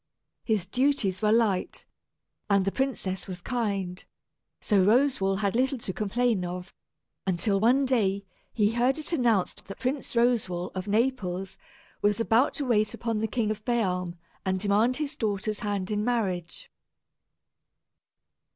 His duties were light, and the princess was kind; so Roswal had little to complain of, until one day he heard it announced that Prince Roswal, of Naples, was about to wait upon the King of Bealm and demand his daughter's hand in marriage.